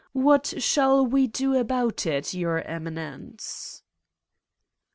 What shall we do about it, Your Eminence